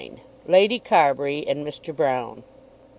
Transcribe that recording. LADY CARBURY AND MR. BROUNE.